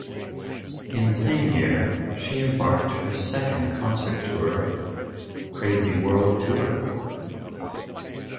In the same year, she embarked her second concert tour Crazy World Tour.